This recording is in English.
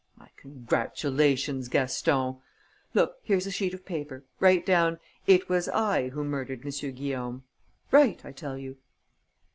My congratulations, Gaston!... Look, here's a sheet of paper. Write down: 'It was I who murdered M. Guillaume.' Write, I tell you!"